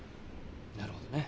なるほどね。